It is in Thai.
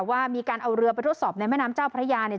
ว่ามีการเอาเรือไปทดสอบในแม่น้ำเจ้าพระยาเนี่ย